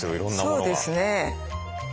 そうですね。